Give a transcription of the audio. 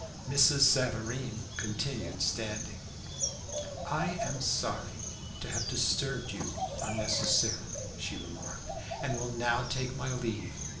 Mrs. Savareen continued standing. "I am sorry to have disturbed you unnecessarily," she remarked "and will now take my leave.